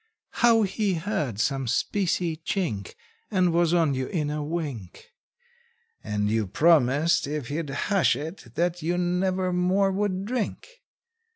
How he heard some specie chink, And was on you in a wink, And you promised if he'd hush it that you never more would drink?